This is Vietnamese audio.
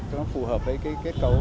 nó phù hợp với kết cấu